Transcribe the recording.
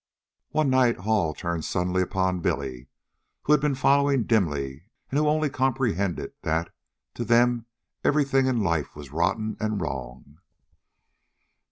One night Hall turned suddenly upon Billy, who had been following dimly and who only comprehended that to them everything in life was rotten and wrong.